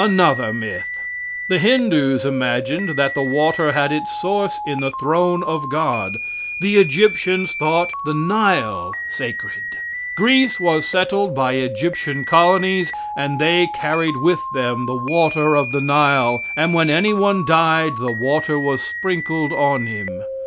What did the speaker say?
Another myth. The Hindoos imagined that the water had its source in the throne of God. The Egyptians thought the Nile sacred. Greece was settled by Egyptian colonies, and they carried with them the water of the Nile, and when any one died the water was sprinkled on him.